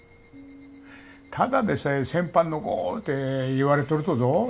ただでさえ戦犯の子って言われとるとぞ。